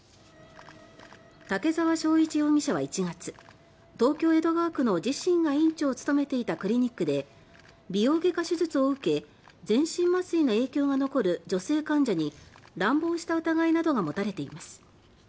竹澤章一容疑者は、１月東京・江戸川区の自身が院長を務めていたクリニックで美容外科手術を受け全身麻酔の影響が残る女性患者に乱暴した疑いなどが持たれています。